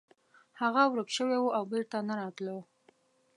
هغه ورک شوی و او بیرته نه راتلو.